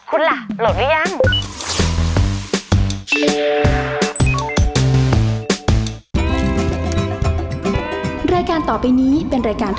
คุณล่ะโหลดหรือยัง